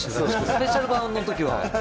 スペシャル版のときは。